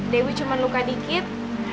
dewi cuma luka sedikit